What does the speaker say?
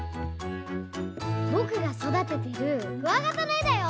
ぼくがそだててるクワガタのえだよ！